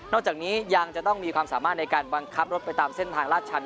จากนี้ยังจะต้องมีความสามารถในการบังคับรถไปตามเส้นทางลาดชัน